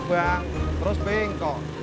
lo bang terus bingkok